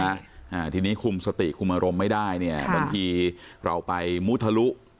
อ่าทีนี้คุมสติคุมอารมณ์ไม่ได้เนี่ยบางทีเราไปมุทะลุ